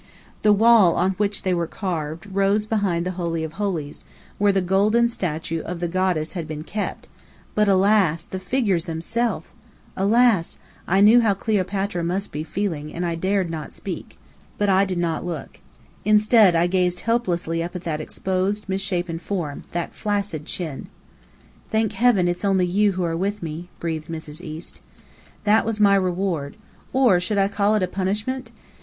The wall on which they were carved rose behind the Holy of Holies, where the golden statue of the Goddess had been kept; but alas, the figures themselves! Alas! I knew how Cleopatra must be feeling; and I dared not speak. Perhaps she was even blushing: but I did not look. Instead, I gazed helplessly up at that exposed, misshapen form, that flaccid chin. "Thank heaven it's only you who are with me!" breathed Mrs. East. That was my reward. Or should I call it a punishment?